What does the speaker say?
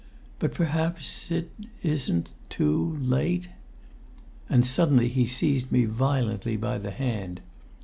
But perhaps ... it isn't ... too late...." And suddenly he seized me violently by the hand.